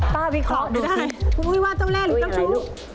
ป้าวิเคราะห์ดูสิคุณคุณคิดว่าเจ้าเลหรือเจ้าชู้